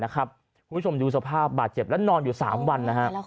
คุณผู้ชมดูสภาพบาดเจ็บและนอนอยู่๓วัน